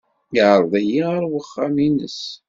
Yeɛreḍ-iyi ɣer uxxam-nnes.